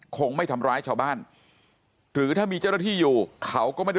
คงไม่ทำร้ายชาวบ้านหรือถ้ามีเจ้าหน้าที่อยู่เขาก็ไม่ได้